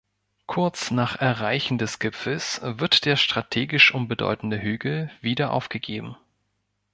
Kurz nach Erreichen des Gipfels wird der strategisch unbedeutende Hügel wieder aufgegeben.